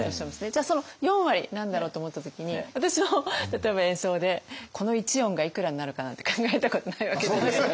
じゃあその４割何だろうと思った時に私も例えば演奏でこの１音がいくらになるかなって考えたことないわけじゃないですか。